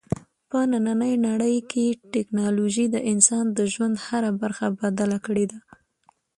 په نننۍ نړۍ کې ټیکنالوژي د انسان د ژوند هره برخه بدله کړې ده.